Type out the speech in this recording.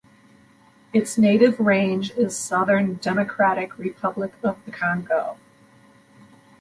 Its native range is southern Democratic Republic of the Congo.